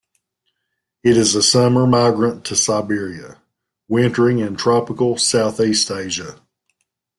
It is a summer migrant to Siberia, wintering in tropical Southeast Asia.